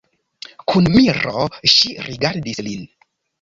Kun miro ŝi rigardis lin.